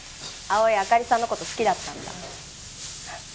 葵あかりさんのこと好きだったんだ。